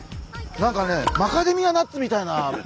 なんかねマカダミアナッツみたいな。